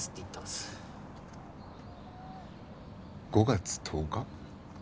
５月１０日？